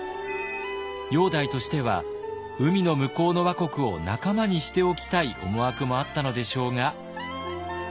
煬帝としては海の向こうの倭国を仲間にしておきたい思惑もあったのでしょうが。